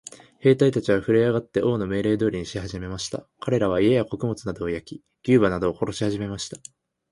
兵隊たちはふるえ上って、王の命令通りにしはじめました。かれらは、家や穀物などを焼き、牛馬などを殺しはじめました。